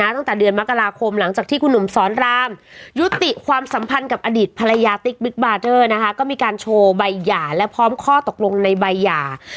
ตั้งแต่เดือนมกราคมหลังจากที่คุณหนุ่มสอนรามยุติความสัมพันธ์กับอดีตภรรยาติ๊กบิ๊กบาร์เดอร์นะคะก็มีการโชว์ใบหย่าและพร้อมข้อตกลงในใบหย่า